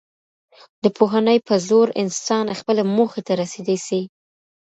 د پوهني په زور انسان خپلي موخې ته رسېدی سي.